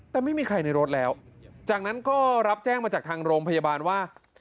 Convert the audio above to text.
แต่ไม่มีใครในรถแล้วจากนั้นก็รับแจ้งมาจากทางโรงพยาบาลว่า